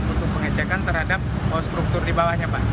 untuk pengecekan terhadap struktur di bawahnya pak